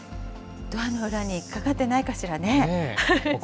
ドアの裏にかかってないかしらね。